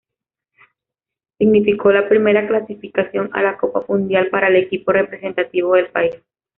Significó la primera clasificación a la Copa Mundial para el equipo representativo del país.